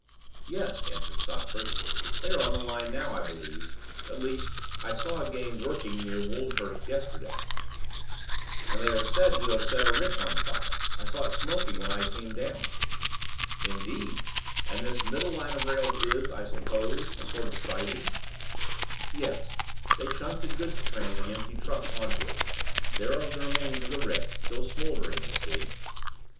"Yes," answered Stopford, "they are on the line now, I believe at least, I saw a gang working near Woldhurst yesterday, and they are said to have set a rick on fire; I saw it smoking when I came down." "Indeed; and this middle line of rails is, I suppose, a sort of siding?" "Yes; they shunt the goods trains and empty trucks on to it. There are the remains of the rick still smouldering, you see."